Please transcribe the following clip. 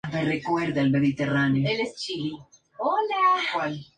Algunos canales prohibieron el respectivo videoclip, lo cual Bowie encontró absurdo.